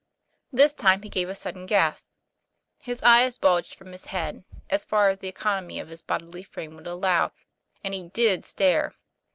This time he gave a sudden gasp, his eyes bulged from his head, as far as the economy of his bodily frame would allow, and he did stare.